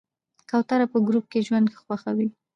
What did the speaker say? کوتره په ګروپ ژوند خوښوي.